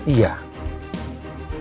iya kita ketemu sama nino